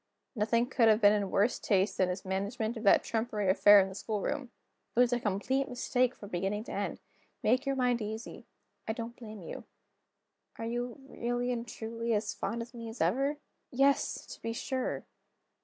Nothing could have been in worse taste than his management of that trumpery affair in the schoolroom; it was a complete mistake from beginning to end. Make your mind easy; I don't blame You." "Are you, really and truly, as fond of me as ever?" "Yes, to be sure!"